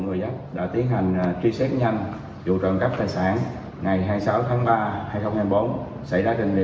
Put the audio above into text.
người dắt đã tiến hành truy xét nhanh vụ trộm cắp tài sản ngày hai mươi sáu tháng ba hai nghìn hai mươi bốn xảy ra trên địa